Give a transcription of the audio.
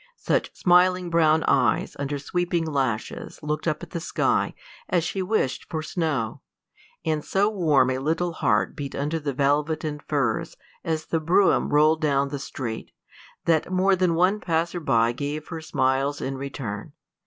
Such smiling brown eyes under sweeping lashes looked up at the sky as she wished for snow, and so warm a little heart beat under the velvet and furs as the brougham rolled down the street, that more than one passer by gave her smiles in return.